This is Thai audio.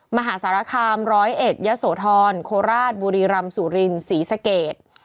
มหาสารคามร้อยเอ็ดยะโสธรโคราชบุรีรำสุรินศรีสเกต